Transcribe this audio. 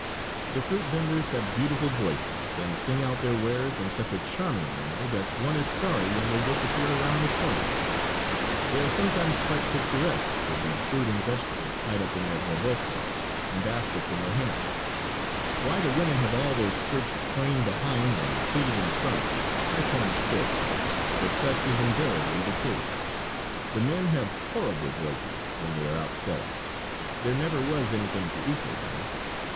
The fruit venders have beautiful voices, and sing out their wares in such a charming manner that one is sorry when they disappear around the corner. They are sometimes quite picturesque with the fruit and vegetables tied up in their rebozo and baskets in their hands. Why the women have all their skirts plain behind and pleated in front I cannot say, but such is invariably the case. The men have horrible voices when they are out selling. There never was anything to equal them.